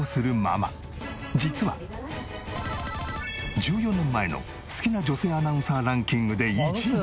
１４年前の好きな女性アナウンサーランキングで１位に。